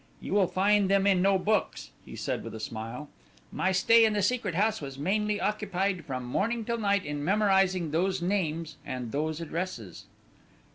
You will find them in no books," he said with a smile; "my stay in the Secret House was mainly occupied from morning till night in memorizing those names and those addresses."